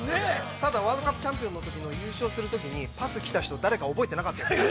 ただ、ワールドカップチャンピオンのときの優勝するときに、パスきた人、誰か覚えてなかったんですよ。